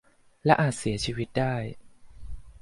และอาจเสียชีวิตได้